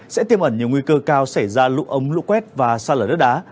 sẽ tiêm ẩn nhiều nguy cơ cao xảy ra lũ ống lũ quét và xa lở đất đá